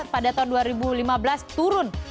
pada tahun dua ribu lima belas turun